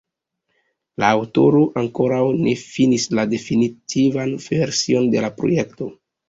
La aŭtoro ankoraŭ ne finis la definitivan version de la projekto.